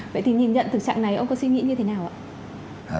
vậy thì nhìn nhận thực trạng này ông có suy nghĩ như thế nào ạ